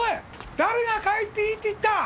誰が帰っていいって言った！？